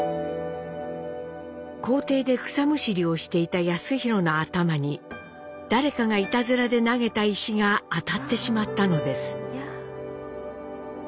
校庭で草むしりをしていた康宏の頭に誰かがいたずらで投げた石が当たってしまったのです。